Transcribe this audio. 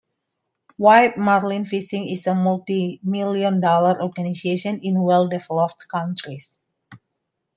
White marlin fishing is a multimillion-dollar organization in well-developed countries.